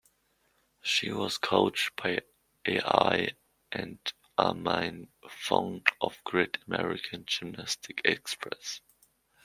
She was coached by Al and Armine Fong of Great American Gymnastic Express.